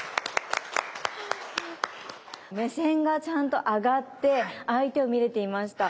目線がちゃんと上がって相手を見れていました。